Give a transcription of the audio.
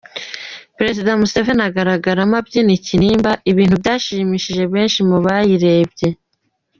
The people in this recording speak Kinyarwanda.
Perezida Museveni agaragaramo abyina ikinimba, ibintu byashimishije benshi mu bayirebye.